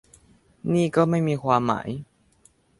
นี่ก็ไม่มีความหมาย